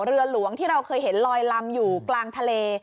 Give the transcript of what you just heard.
เรือหลวงที่เราเคยเห็นลอยลำอยู่กลางทะเล